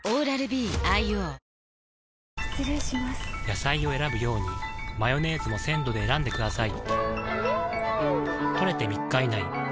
野菜を選ぶようにマヨネーズも鮮度で選んでくださいん！